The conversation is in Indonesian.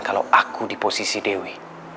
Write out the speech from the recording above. kalau aku di posisi dewi